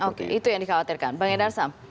oke itu yang dikhawatirkan bang edar sam